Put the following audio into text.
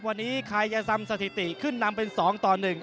วันนี้ใครจะซำสถิติขึ้นนำเป็นสองต่อหนึ่ง